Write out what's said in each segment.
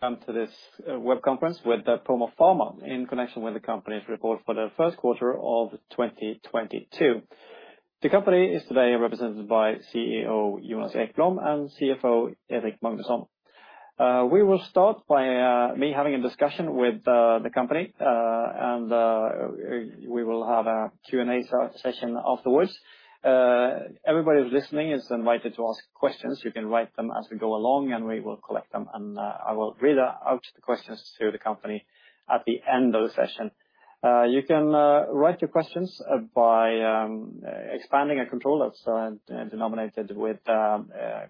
Welcome to this web conference with Promore Pharma in connection with the company's report for the First Quarter of 2022. The company is today represented by CEO Jonas Ekblom and CFO Erik Magnusson. We will start by me having a discussion with the company, and we will have a Q&A session afterwards. Everybody listening is invited to ask questions. You can write them as we go along, and we will collect them, and I will read out the questions to the company at the end of the session. You can write your questions by expanding a control that's denominated with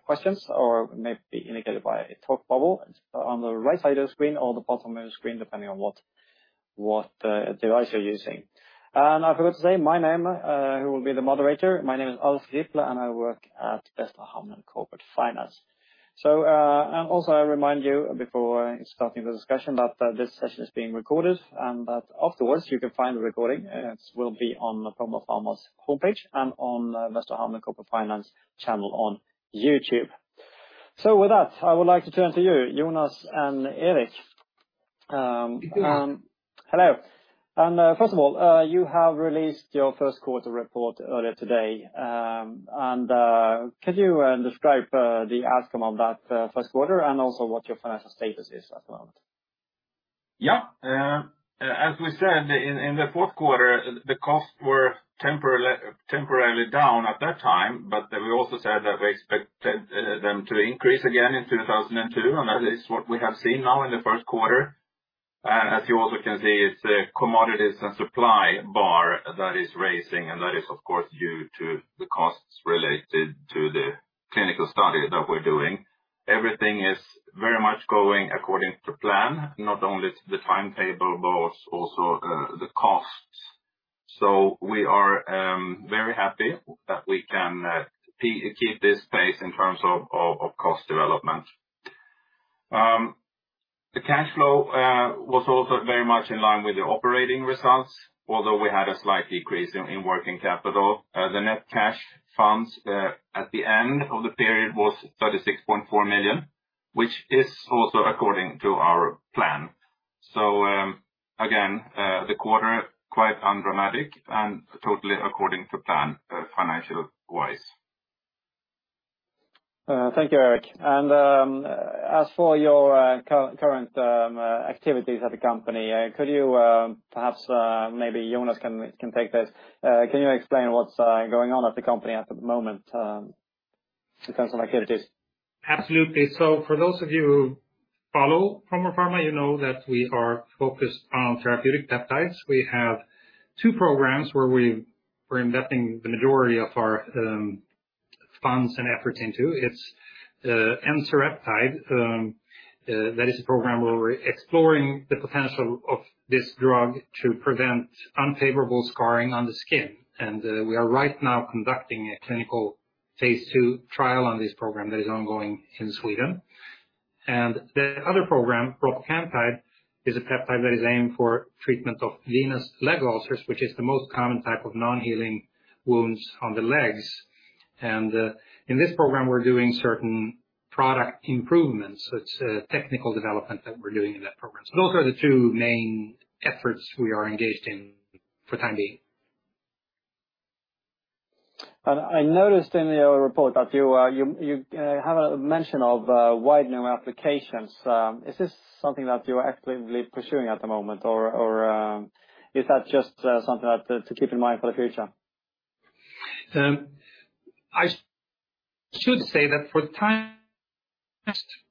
Questions or may be indicated by a talk bubble on the right side of the screen or the bottom of the screen, depending on what device you're using. I forgot to say my name, who will be the moderator. My name is Alf Riple, and I work at Västra Hamnen Corporate Finance. I remind you before starting the discussion that this session is being recorded and that afterwards you can find the recording. It will be on the Promore Pharma's homepage and on Västra Hamnen Corporate Finance channel on YouTube. With that, I would like to turn to you, Jonas and Erik. Hello. First of all, you have released your first quarter report earlier today. Could you describe the outcome of that first quarter and also what your financial status is at the moment? Yeah. As we said in the fourth quarter, the costs were temporarily down at that time, but we also said that we expected them to increase again in 2022, and that is what we have seen now in the first quarter. As you also can see, it's the commodities and supply bar that is rising, and that is of course due to the costs related to the clinical study that we're doing. Everything is very much going according to plan, not only the timetable, but also the costs. We are very happy that we can keep this pace in terms of cost development. The cash flow was also very much in line with the operating results, although we had a slight decrease in working capital. The net cash funds at the end of the period was 36.4 million, which is also according to our plan. Again, the quarter quite undramatic and totally according to plan, financial wise. Thank you, Erik. As for your current activities at the company, could you perhaps maybe Jonas can take this. Can you explain what's going on at the company at the moment, in terms of activities? Absolutely. For those of you who follow Promore Pharma, you know that we are focused on therapeutic peptides. We have two programs where we're investing the majority of our funds and effort into. It's enseraptide that is a program where we're exploring the potential of this drug to prevent unfavorable scarring on the skin. We are right now conducting a clinical phase II trial on this program that is ongoing in Sweden. The other program, ropocamptide, is a peptide that is aimed for treatment of venous leg ulcers, which is the most common type of non-healing wounds on the legs. In this program, we're doing certain product improvements. It's a technical development that we're doing in that program. Those are the two main efforts we are engaged in for time being. I noticed in your report that you have a mention of widening applications. Is this something that you're actively pursuing at the moment or is that just something to keep in mind for the future? I should say that for the time,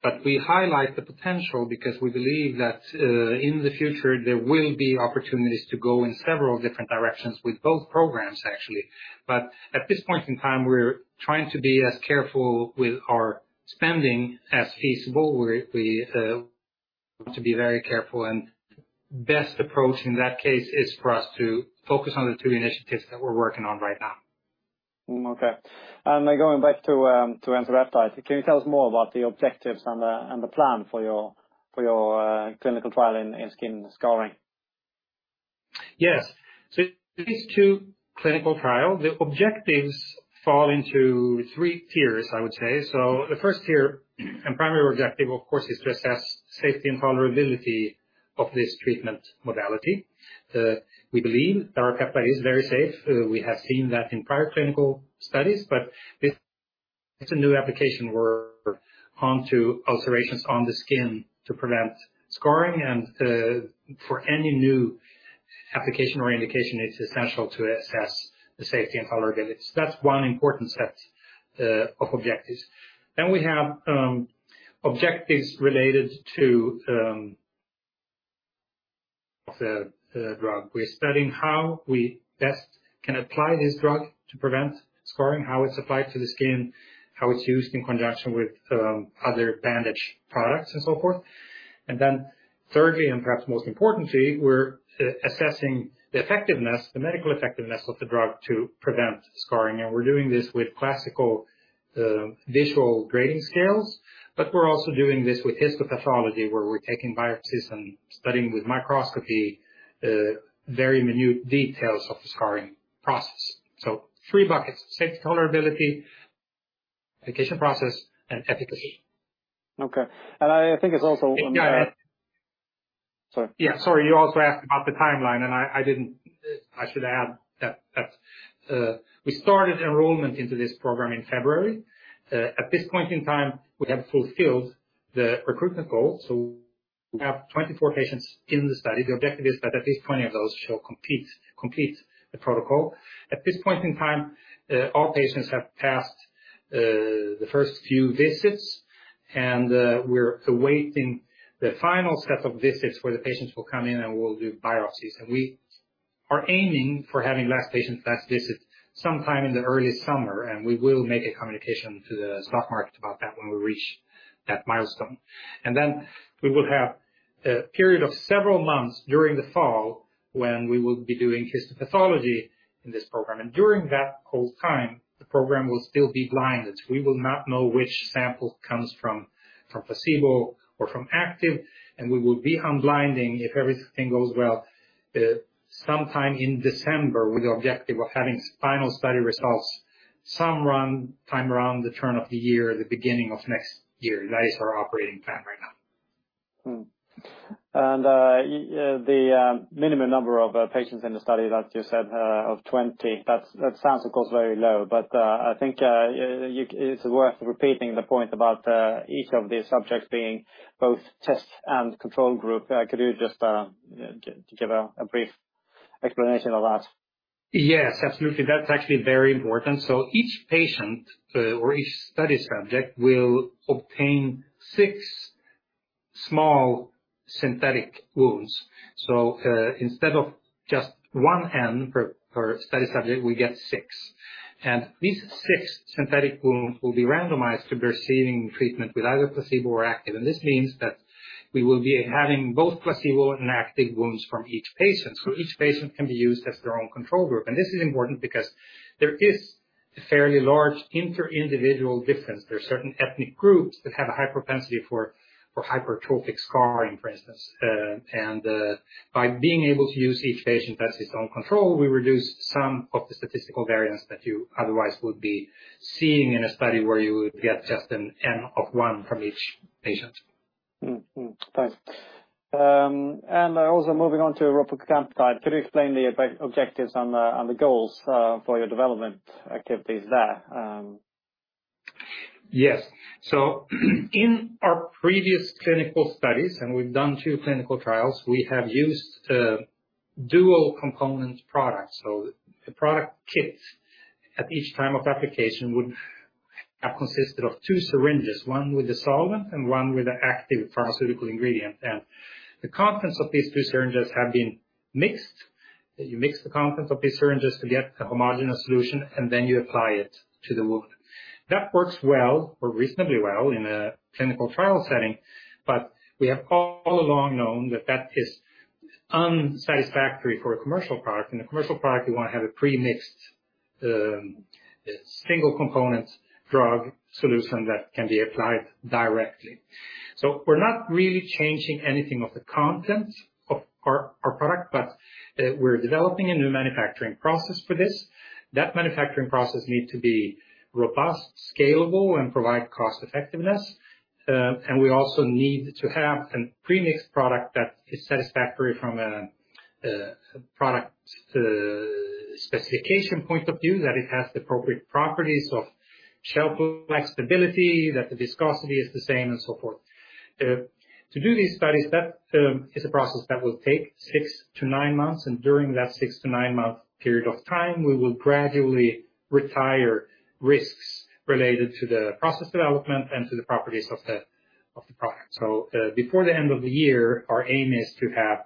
but we highlight the potential because we believe that in the future, there will be opportunities to go in several different directions with both programs, actually. At this point in time, we're trying to be as careful with our spending as feasible. Best approach in that case is for us to focus on the two initiatives that we're working on right now. Okay. Going back to enseraptide. Can you tell us more about the objectives and the plan for your clinical trial in skin scarring? Yes. These two clinical trials, the objectives fall into three tiers, I would say. The first tier and primary objective, of course, is to assess safety and tolerability of this treatment modality. We believe our peptide is very safe. We have seen that in prior clinical studies, but this is a new application we're onto applications on the skin to prevent scarring and, for any new application or indication, it's essential to assess the safety and tolerability. That's one important set of objectives. We have objectives related to the drug. We're studying how we best can apply this drug to prevent scarring, how it's applied to the skin, how it's used in conjunction with other bandage products and so forth. Thirdly, and perhaps most importantly, we're assessing the effectiveness, the medical effectiveness of the drug to prevent scarring. We're doing this with classical, visual grading scales, but we're also doing this with histopathology, where we're taking biopsies and studying with microscopy, very minute details of the scarring process. Three buckets, safety, tolerability, application process, and efficacy. Okay. I think it's also. Yeah. Sorry. Yeah, sorry. You also asked about the timeline, and I should add that we started enrollment into this program in February. At this point in time, we have fulfilled the recruitment goal. We have 24 patients in the study. The objective is that at least 20 of those shall complete the protocol. At this point in time, all patients have passed the first few visits, and we're awaiting the final set of visits where the patients will come in and we'll do biopsies. We are aiming for having last patient, last visit sometime in the early summer, and we will make a communication to the stock market about that when we reach that milestone. Then we will have a period of several months during the fall when we will be doing histopathology in this program. During that whole time, the program will still be blinded. We will not know which sample comes from placebo or from active, and we will be unblinding, if everything goes well, sometime in December, with the objective of having final study results, sometime around the turn of the year or the beginning of next year. That is our operating plan right now. The minimum number of patients in the study, like you said, of 20, that sounds of course very low, but I think it's worth repeating the point about each of the subjects being both test and control group. Could you just give a brief explanation of that? Yes, absolutely. That's actually very important. Each patient, or each study subject will obtain six small synthetic wounds. Instead of just 1N per study subject, we get six. These six synthetic wounds will be randomized to receiving treatment with either placebo or active. This means that we will be having both placebo and active wounds from each patient. Each patient can be used as their own control group. This is important because there is a fairly large inter-individual difference. There are certain ethnic groups that have a high propensity for hypertrophic scarring, for instance. By being able to use each patient as his own control, we reduce some of the statistical variance that you otherwise would be seeing in a study where you would get just an N of one from each patient. Thanks. Moving on to ropocamptide side. Could you explain the objectives and the goals for your development activities there? Yes. In our previous clinical studies, we've done two clinical trials. We have used dual component products. The product kit at each time of application would have consisted of two syringes, one with a solvent and one with an active pharmaceutical ingredient. The contents of these two syringes have been mixed. You mix the contents of these syringes to get a homogeneous solution, and then you apply it to the wound. That works well or reasonably well in a clinical trial setting. We have all along known that that is unsatisfactory for a commercial product. In a commercial product, we wanna have a pre-mixed single component drug solution that can be applied directly. We're not really changing anything of the content of our product, but we're developing a new manufacturing process for this. That manufacturing process need to be robust, scalable, and provide cost effectiveness. We also need to have a pre-mixed product that is satisfactory from a product specification point of view, that it has the appropriate properties of shelf-life stability, that the viscosity is the same and so forth. To do these studies is a process that will take six to nine months, and during that six to nine month period of time, we will gradually retire risks related to the process development and to the properties of the product. Before the end of the year, our aim is to have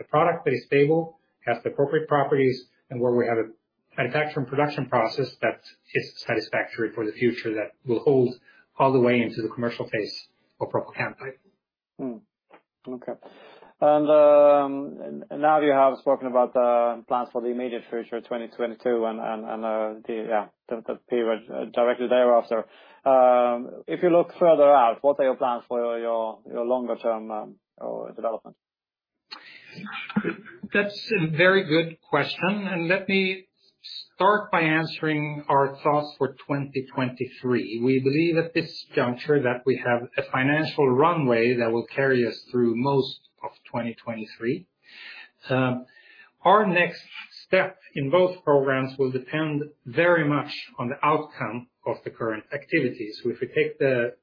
a product that is stable, has the appropriate properties, and where we have a manufacturing production process that is satisfactory for the future that will hold all the way into the commercial phase of ropocamptide. Okay. Now you have spoken about the plans for the immediate future, 2022 and the period directly thereafter. If you look further out, what are your plans for your longer-term development? That's a very good question, and let me start by answering our thoughts for 2023. We believe at this juncture that we have a financial runway that will carry us through most of 2023. Our next step in both programs will depend very much on the outcome of the current activities. If we take the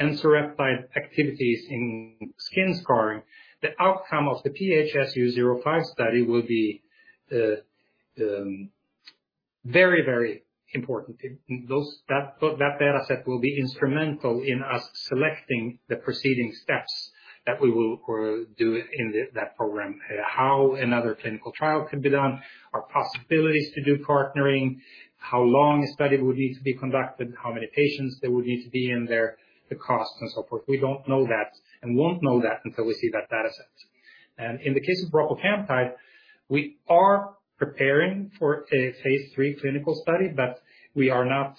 enseraptide activities in skin scarring, the outcome of the PHSU05 study will be very important. That data set will be instrumental in us selecting the preceding steps that we will do in that program, how another clinical trial can be done, our possibilities to do partnering, how long a study would need to be conducted, how many patients that would need to be in there, the cost and so forth. We don't know that and won't know that until we see that data set. In the case of ropocamptide, we are preparing for a phase III clinical study, but we are not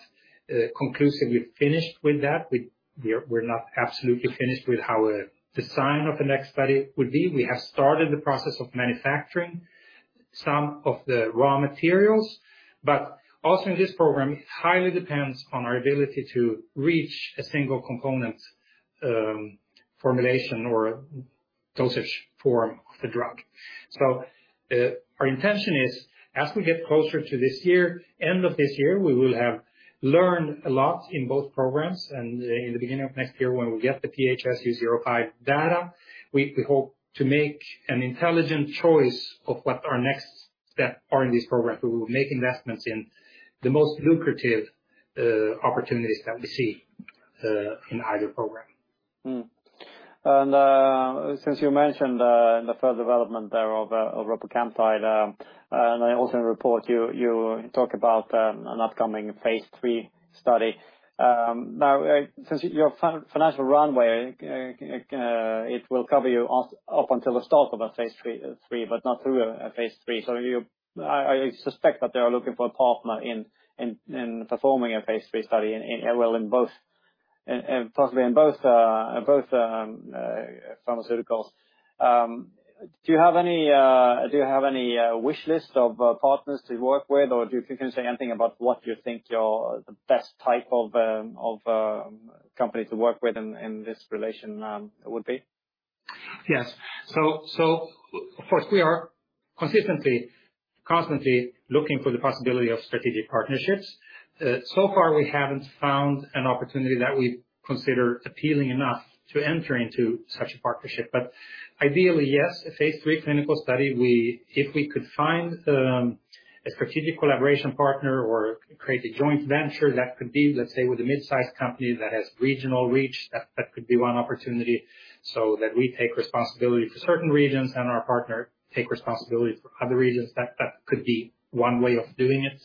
conclusively finished with that. We are not absolutely finished with how a design of the next study would be. We have started the process of manufacturing some of the raw materials, but also in this program, it highly depends on our ability to reach a single component formulation or dosage form of the drug. Our intention is, as we get closer to this year, end of this year, we will have learned a lot in both programs, and in the beginning of next year when we get the PHSU05 data, we hope to make an intelligent choice of what our next step are in this program. We will make investments in the most lucrative opportunities that we see in either program. Since you mentioned the further development thereof ropocamptide, and also in your report you talk about an upcoming phase III study. Now, since your financial runway it will cover you up until the start of a phase III, but not through a phase III. I suspect that they are looking for a partner in performing a phase III study in, well, possibly in both pharmaceuticals. Do you have any wish list of partners to work with? Or if you can say anything about what you think the best type of company to work with in this relation would be? Yes. Of course we are consistently, constantly looking for the possibility of strategic partnerships. So far we haven't found an opportunity that we consider appealing enough to enter into such a partnership. Ideally, yes, a Phase III clinical study, if we could find a strategic collaboration partner or create a joint venture that could be, let's say, with a mid-sized company that has regional reach, that could be one opportunity, so that we take responsibility for certain regions and our partner take responsibility for other regions, that could be one way of doing it.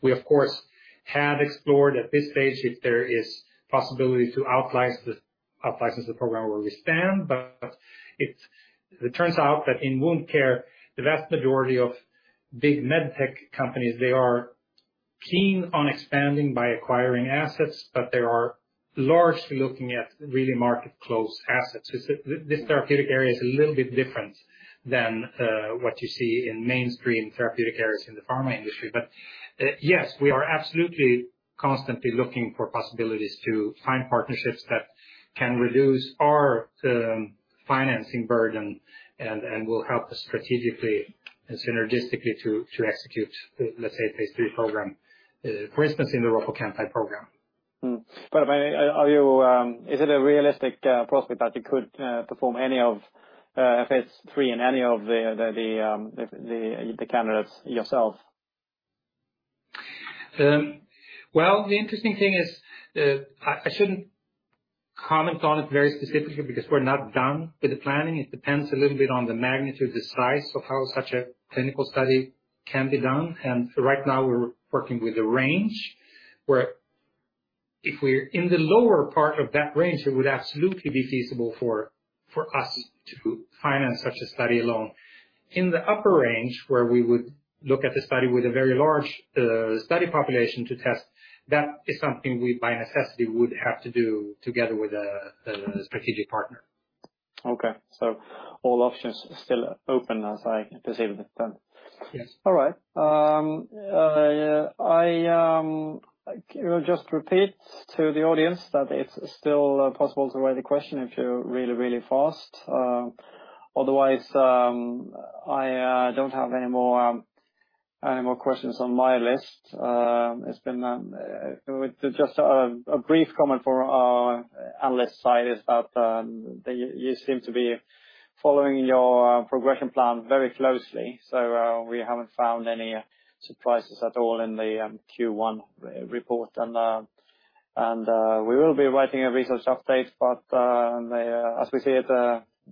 We of course have explored at this stage if there is possibility to outlicense the program where we stand, but it turns out that in wound care, the vast majority of big med tech companies, they are keen on expanding by acquiring assets, but they are largely looking at really market-close assets. This therapeutic area is a little bit different than what you see in mainstream therapeutic areas in the pharma industry. Yes, we are absolutely constantly looking for possibilities to find partnerships that can reduce our financing burden and will help us strategically and synergistically to execute, let's say, Phase III program, for instance, in the ropocamptide program. Are you, is it a realistic prospect that you could perform any of Phase III in any of the candidates yourself? Well, the interesting thing is, I shouldn't comment on it very specifically because we're not done with the planning. It depends a little bit on the magnitude, the size of how such a clinical study can be done. Right now we're working with a range where if we're in the lower part of that range, it would absolutely be feasible for us to finance such a study alone. In the upper range, where we would look at a study with a very large study population to test, that is something we by necessity would have to do together with a strategic partner. Okay. All options still open as I perceive it then. Yes. All right. I will just repeat to the audience that it's still possible to write a question if you're really, really fast. Otherwise, I don't have any more questions on my list. It's been just a brief comment for our analyst side is that you seem to be following your progression plan very closely. We haven't found any surprises at all in the Q1 report. We will be writing a research update, but as we see it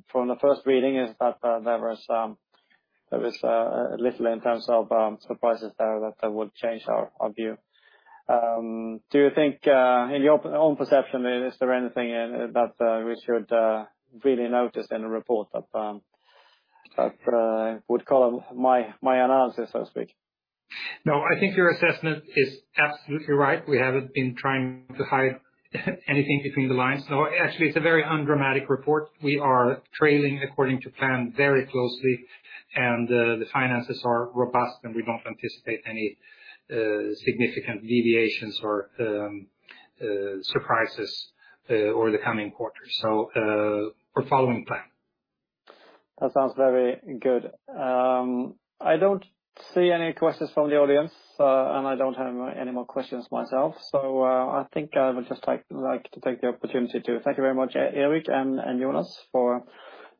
from the first reading is that there was little in terms of surprises there that would change our view. Do you think, in your own perception, is there anything that we should really notice in the report that would call my analysis so to speak? No, I think your assessment is absolutely right. We haven't been trying to hide anything between the lines. Actually it's a very undramatic report. We are tracking according to plan very closely, and the finances are robust, and we don't anticipate any significant deviations or surprises over the coming quarters. We're following plan. That sounds very good. I don't see any questions from the audience, and I don't have any more questions myself. I think I would just like to take the opportunity to thank you very much, Erik and Jonas for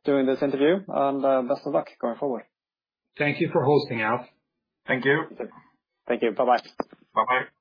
doing this interview, and best of luck going forward. Thank you for hosting, Alf. Thank you. Thank you. Bye-bye. Bye-bye.